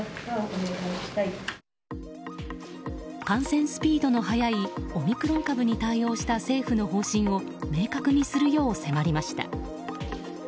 感染スピードの速いオミクロン株に対応した政府の方針を明確にするよう迫りました。